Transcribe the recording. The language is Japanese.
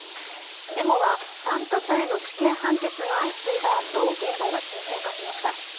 デモは、参加者への死刑判決が相次いだあと現在は沈静化しました。